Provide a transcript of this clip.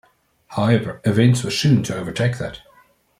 However, events were soon to overtake that.